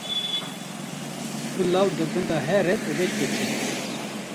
ku law di bin de here dibe keçik